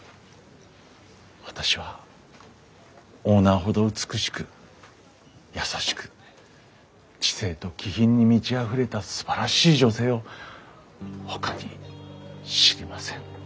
私はオーナーほど美しく優しく知性と気品に満ちあふれたすばらしい女性をほかに知りません。